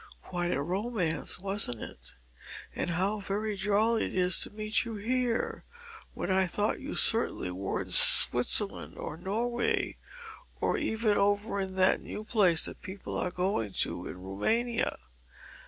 Quite a romance, wasn't it? And how very jolly it is to meet you here when I thought that you certainly were in Switzerland or Norway, or even over in that new place that people are going to in Roumania!